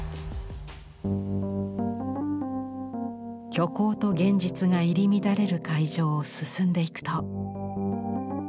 虚構と現実が入り乱れる会場を進んでいくと。